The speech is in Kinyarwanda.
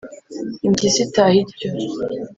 Impyisi itaha ityo,